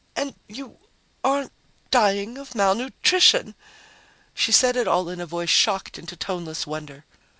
And you aren't dying of malnutrition." She said it all in a voice shocked into toneless wonder.